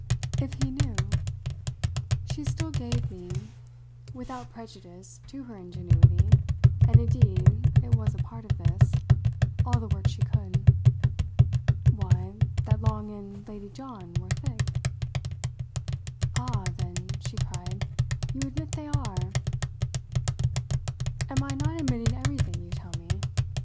"If he knew ?" She still gave me, without prejudice to her ingenuity and indeed it was a part of this all the work she could. "Why, that Long and Lady John were thick?" "Ah, then," she cried, "you admit they are!" "Am I not admitting everything you tell me?